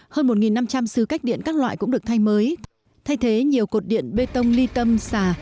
hơn một năm trăm linh sứ cách điện các loại cũng được thay mới thay thế nhiều cột điện bê tông ly tâm xà